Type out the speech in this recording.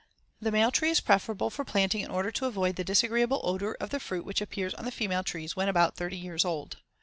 The male tree is preferable for planting in order to avoid the disagreeable odor of the fruit which appears on the female trees when about thirty years old.